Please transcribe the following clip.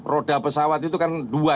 roda pesawat itu kan dua